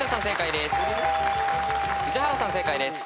正解です。